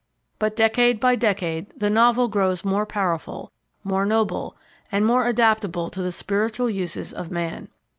But decade by decade the Novel grows more powerful, more noble, and more adaptable to the spiritual uses of man.